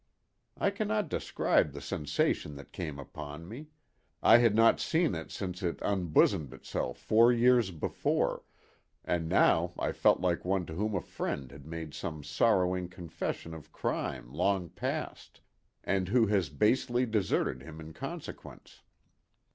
I cannot describe the sensation that came upon me: I had not seen it since it unbosomed itself four years before, and now I felt like one to whom a friend has made some sorrowing confession of crime long past, and who has basely deserted him in consequence.